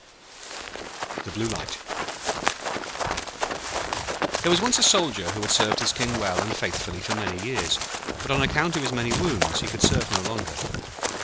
] The Blue Light There was once a Soldier who had served his King well and faithfully for many years. But, on account of his many wounds, he could serve no longer.